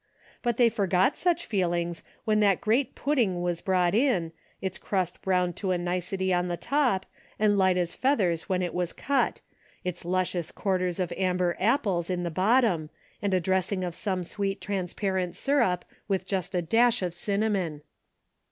But they forgot such feel ings when that great pudding was brought in, its crust browned to a nicety on the top, and light as feathers when it was cut, its luscious quarters of amber apples in the bottom, and a dressing of some sweet transparent syrup with just a dash of cinnamon.